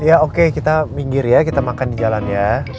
ya oke kita minggir ya kita makan di jalan ya